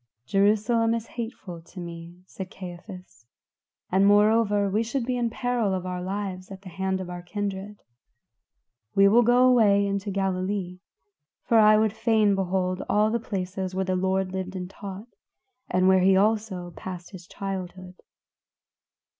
"Jerusalem is hateful to me," said Caiaphas, "and, moreover, we should be in peril of our lives at the hand of our kindred. We will go away into Galilee, for I would fain behold all the places where the Lord lived and taught, and where also he passed his childhood."